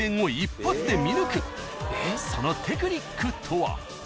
［そのテクニックとは］